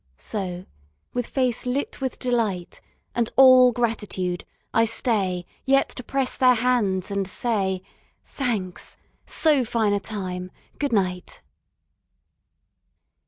So, with face lit with delight And all gratitude, I stay Yet to press their hands and say, "Thanks. So fine a time ! Good night.